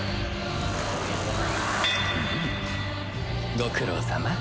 ご苦労さま。